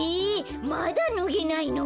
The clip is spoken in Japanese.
まだぬげないの？